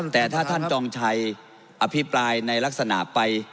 แต่ถ้าท่านจองชัยอภิปรายในลักษณะไป